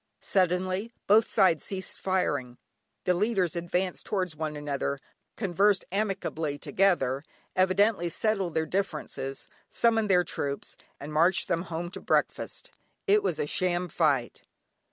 Suddenly, both sides ceased firing, the leaders advanced towards one another, conversed amicably together, evidently settled their differences, summoned their troops, and marched them home to breakfast. It was a sham fight.